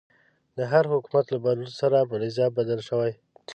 د هر حکومت له بدلون سره مو نظام بدل شوی.